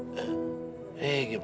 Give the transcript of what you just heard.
gimana sih kevin itu